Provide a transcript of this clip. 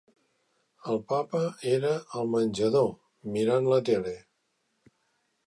El papa era al menjador, mirant la tele.